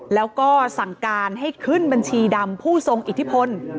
แล้วก็สั่งการให้ขึ้นบัญชีดำผู้ทรงอิทธิพล